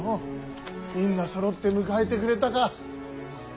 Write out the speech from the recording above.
みんなそろって迎えてくれたか。